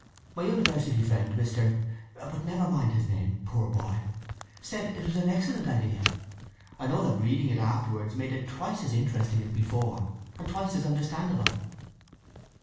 My university friend Mr.—but never mind his name, poor boy—said it was an excellent idea. I know that reading it afterwards made it twice as interesting as before, and twice as understandable."